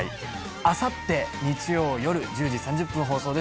明後日日曜夜１０時３０分放送です。